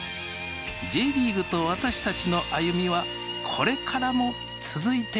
Ｊリーグと私たちの歩みはこれからも続いていきます。